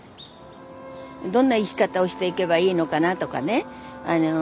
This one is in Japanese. どんな生き方をしていけばいいのかなとかね